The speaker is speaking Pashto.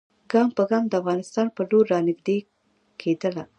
ګام په ګام د افغانستان پر لور را نیژدې کېدله.